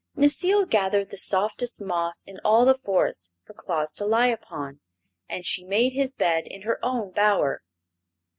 Necile gathered the softest moss in all the forest for Claus to lie upon, and she made his bed in her own bower.